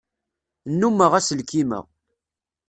Nnummeɣ aselkim-a.